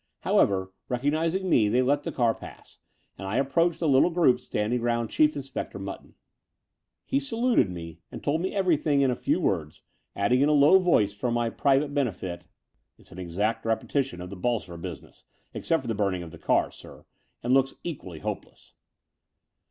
However, recog nizing me, they let the car pass ; and I approached a little group standing round Chief Inspector Mutton. V The Brighton Road 51 He saluted me and told me everything in a few words, adding in a low voice, for my private benefit, "It's an exact repetition of the Bolsover business, except for the burning of the car, sir, and looks equally hopeless."